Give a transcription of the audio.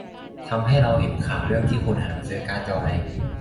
ทำให้เราเห็นข่าวเรื่องที่คนหันมาซื้อการ์ดจอแรง